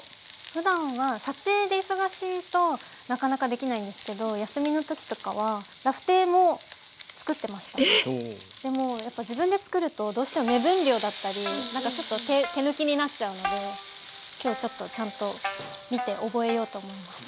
ふだんは撮影で忙しいとなかなかできないんですけど休みの時とかはでもやっぱ自分で作るとどうしても目分量だったりなんかちょっと手抜きになっちゃうので今日ちょっとちゃんと見て覚えようと思います。